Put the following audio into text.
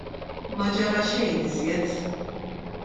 Ma ġara xejn iżjed!